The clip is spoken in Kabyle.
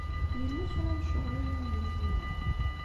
Yella kra n ccɣel ay awen-gezmeɣ?